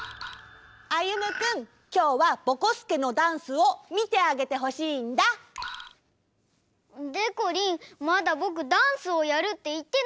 歩くんきょうはぼこすけのダンスをみてあげてほしいんだ！でこりんまだぼくダンスをやるっていってないよ！